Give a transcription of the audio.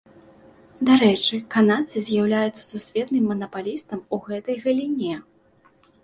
Дарэчы, канадцы з'яўляюцца сусветным манапалістам у гэтай галіне.